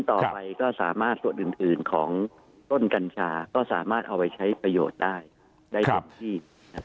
ต่อไปก็สามารถส่วนอื่นของต้นกัญชาก็สามารถเอาไปใช้ประโยชน์ได้ได้เต็มที่